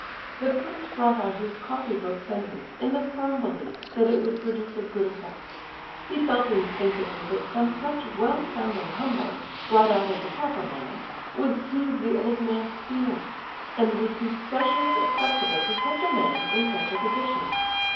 The prince brought out his "copy book sentence" in the firm belief that it would produce a good effect. He felt instinctively that some such well sounding humbug, brought out at the proper moment, would soothe the old man's feelings, and would be specially acceptable to such a man in such a position.